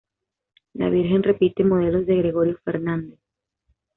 La virgen repite modelos de Gregorio Fernández.